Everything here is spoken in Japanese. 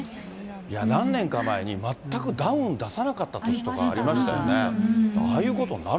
いや、何年か前に、全くダウン出さなかった年とかありましたよね。